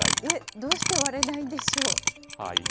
どうして割れないんでしょう？